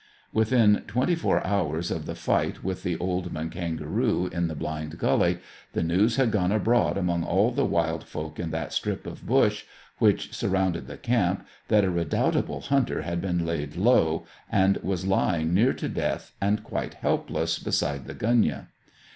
Within twenty four hours of the fight with the old man kangaroo in the blind gully, the news had gone abroad among all the wild folk in that strip of bush which surrounded the camp that a redoubtable hunter had been laid low, and was lying near to death and quite helpless beside the gunyah.